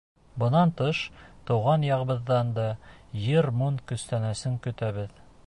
Бынан тыш, тыуған яғыбыҙҙан да йыр-моң күстәнәсен көтәбеҙ.